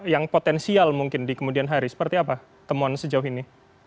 yang potensial mungkin di kemudian hari seperti apa temuan sejauh ini